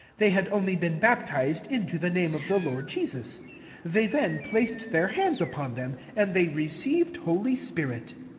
(but hey had only been baptized Dto the name of the Lord Je ns.) 17 Then the afioatlea put heir hands on them, and they eceived a holy spirit.